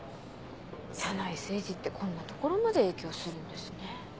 社内政治ってこんなところまで影響するんですね。